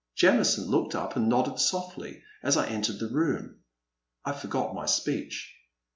Jamison looked up and nodded softly as I en tered the room. I forgot my speech.